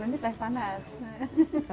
terus kita lihat